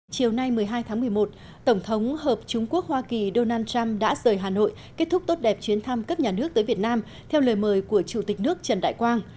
chiều nay một mươi hai tháng một mươi một tổng thống hợp chúng quốc hoa kỳ donald trump đã rời hà nội kết thúc tốt đẹp chuyến thăm cấp nhà nước tới việt nam theo lời mời của chủ tịch nước trần đại quang